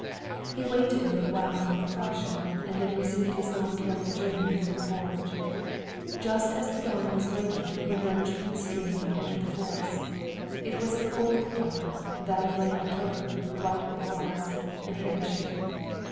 He waited a little while for precaution, and then resumed his own careful journey through the gorge. Just as the dawn was breaking he emerged from the stream and entered the forest. It was a cold dawn, that of late October, white with frost, and Harry shivered.